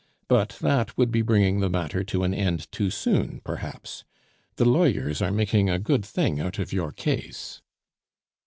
But that would be bringing the matter to an end too soon perhaps. The lawyers are making a good thing out of your case."